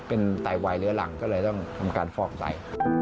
เป็นไตวายเหลือหลังก็เลยต้องทำการฟอกไต